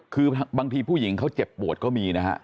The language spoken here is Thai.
คือบางทีผู้หญิงเขาเจ็บปวดก็มีนะฮะ